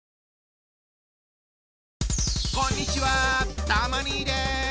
こんにちはたま兄です。